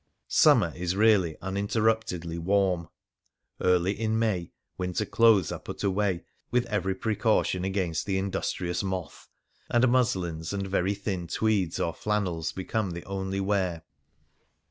Summer is really uninterruptedly warm. 150 Varia Early in May winter clothes are put away — with every precaution against the industrious moth — and muslins and very thin tweeds or flannels become the only wear.